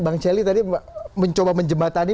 bang celi tadi mencoba menjembatani